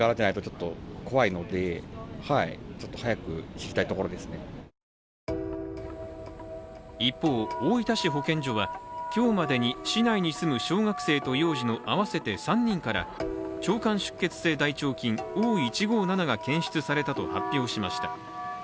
利用客は一方、大分市保健所は今日までに市内に住む小学生と幼児の合わせて３人から腸管出血性大腸菌＝Ｏ１５７が検出されたと発表しました。